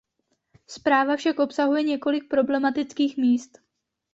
Zpráva však obsahuje několik problematických míst.